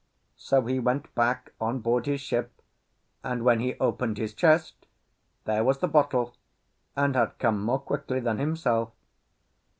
So he went back on board his ship, and, when he opened his chest, there was the bottle, and had come more quickly than himself.